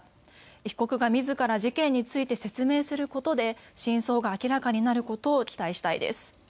被告がみずから事件について説明することで真相が明らかになることを期待したいです。